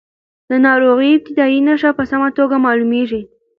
د ناروغۍ ابتدايي نښې په سمه توګه معلومېږي.